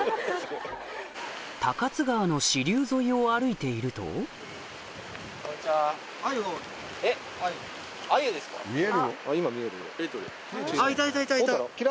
高津川の支流沿いを歩いているとおったろ？